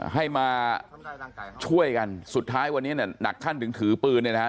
ให้มาช่วยกันสุดท้ายวันนี้เนี่ยหนักขั้นถึงถือปืนเนี่ยนะฮะ